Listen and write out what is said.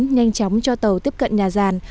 nhanh chóng cho tàu tiếp cận nhà giàn